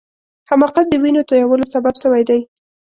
حماقت د وینو تویولو سبب سوی دی.